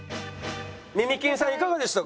耳キーンさんいかがでしたか？